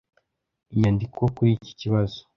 Inyandiko kuri iki kibazo